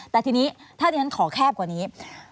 แต่ทีนี้ถ้าที่ฉันขอแคบกว่านี้